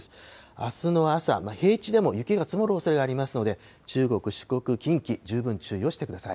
あすの朝、平地でも雪が積もるおそれがありますので、中国、四国、近畿、十分注意をしてください。